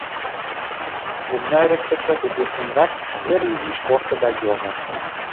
Вурня эрыктыше кугешненрак йыр изиш кошто да йомо.